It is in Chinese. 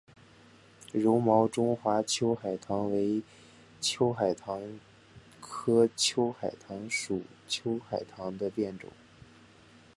柔毛中华秋海棠为秋海棠科秋海棠属秋海棠的变种。